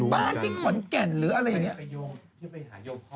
บ้านที่ขอนแก่นหรืออะไรอย่างนี้